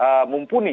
jadi lebih mumpuni